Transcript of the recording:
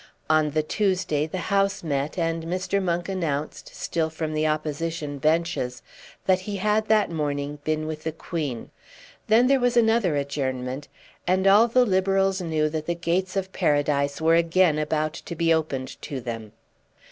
On the Tuesday the House met and Mr. Monk announced, still from the Opposition benches, that he had that morning been with the Queen. Then there was another adjournment, and all the Liberals knew that the gates of Paradise were again about to be opened to them.